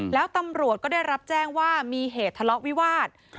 แล้วตำรวจก็ได้รับแจ้งว่ามีเหตุทะเลาะวิวาส